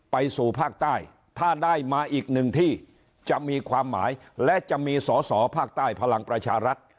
ไปสู่ภาคใต้ถ้าได้มาอีกหนึ่งที่จะมีความหมายและจะมีสอสอภาคใต้พลังประชารัฐ